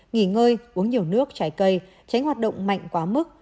nghỉ ngơi uống nhiều nước trái cây tránh hoạt động mạnh quá mức